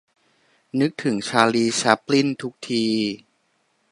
นึกถึง ชาลี แชปลิน ทุกที